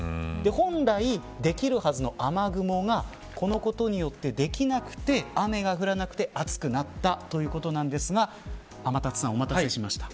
本来できるはずの雨雲がこのことによってできなくて雨が降らなくて暑くなったということなんですが天達さんお待たせしました。